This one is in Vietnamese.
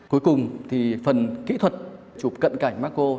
cuối cùng thì phần kỹ thuật chụp cận cảnh maco